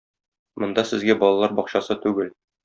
Монда сезгә балалар бакчасы түгел!